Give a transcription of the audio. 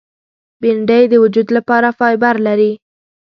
بېنډۍ د وجود لپاره فایبر لري